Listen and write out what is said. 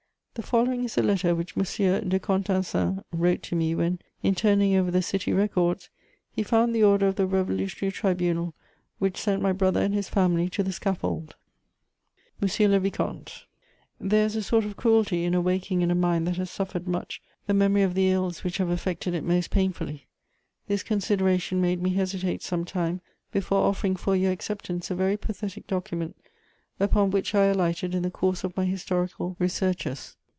The following is a letter which M. de Contencin wrote to me when, in turning over the city records, he found the order of the revolutionary tribunal which sent my brother and his family to the scaffold: "Monsieur le vicomte, "There is a sort of cruelty in awaking in a mind that has suffered much the memory of the ills which have affected it most painfully. This consideration made me hesitate some time before offering for your acceptance a very pathetic document, upon which I alighted in the course of my historical researches.